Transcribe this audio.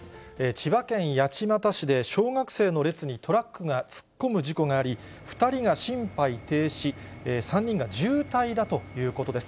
千葉県八街市で小学生の列にトラックが突っ込む事故があり、２人が心肺停止、３人が重体だということです。